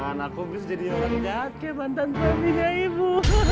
anakku bisa jadi orang jahat kayak bantan peminnya ibu